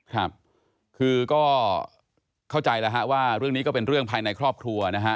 ครับคือก็เข้าใจแล้วฮะว่าเรื่องนี้ก็เป็นเรื่องภายในครอบครัวนะฮะ